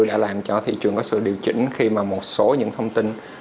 đã làm cho thị trường có sự điều chỉnh khi mà một số những thông tin